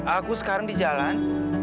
aku sekarang di jalan